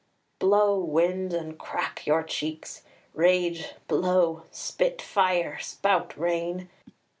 "Blow, winds, and crack your cheeks! Rage! Blow!... Spit, fire! Spout, rain!